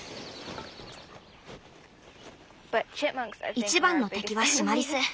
一番の敵はシマリス。